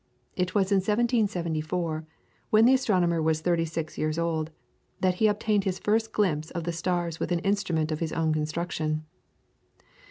It was in 1774, when the astronomer was thirty six years old, that he obtained his first glimpse of the stars with an instrument of his own construction.